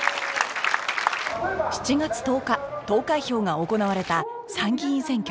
７月１０日投開票が行われた参議院選挙